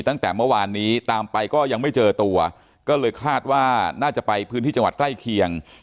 ตั้งแต่เมื่อวานนี้ตามไปก็ยังไม่เจอตัวก็เลยคาดว่าน่าจะไปพื้นที่จังหวัดใกล้เคียง